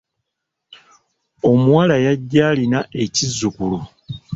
Omuwala yajja alina ekizzukulu.